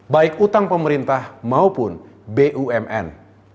baik utang pemerintah maupun bumn